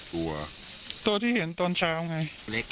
ตัวที่เห็นตอนเช้าไง